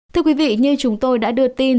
thưa quý vị như chúng tôi đã đưa tin